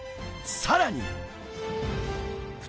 さらに。